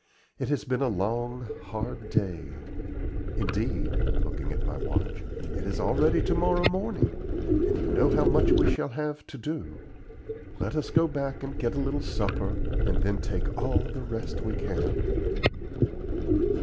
It has been a long, hard day. Indeed" looking at my watch "it is already to morrow morning, and you know how much we shall have to do. Let us go back and get a little supper, and then take all the rest we can."